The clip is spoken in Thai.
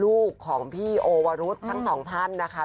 ระหว่างลูกของพี่โอวารุษทั้ง๒๐๐๐นะคะตรงนี้นะคะ